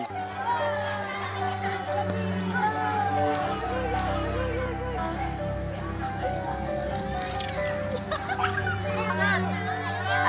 bersama sama dengan anak anak